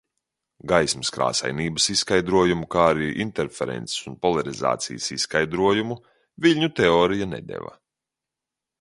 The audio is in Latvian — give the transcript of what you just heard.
Gaismas krāsainības izskaidrojumu, kā arī interferences un polarizācijas izskaidrojumu viļņu teorija nedeva.